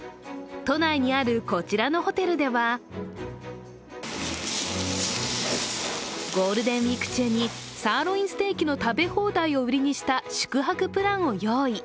都内にあるこちらのホテルではゴールデンウイーク中にサーロインステーキの食べ放題を売りにした宿泊プランを用意。